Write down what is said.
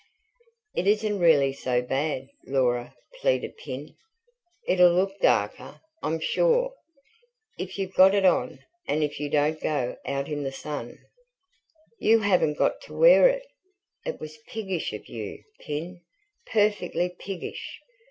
"It isn't really so bad, Laura," pleaded Pin. "It'll look darker, I'm sure, if you've got it on and if you don't go out in the sun." "You haven't got to wear it. It was piggish of you, Pin, perfectly piggish!